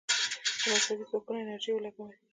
د مذهبي ځواکونو انرژي ولګوي.